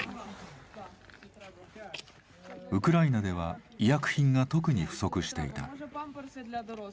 ウクライナでは医薬品が特に不足していた。